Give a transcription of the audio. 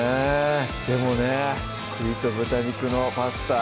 でもね「栗と豚肉のパスタ」